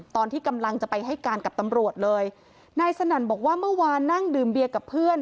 ตอนที่กำลังจะไปให้การกับตำรวจเลยนายสนั่นบอกว่าเมื่อวานนั่งดื่มเบียร์กับเพื่อน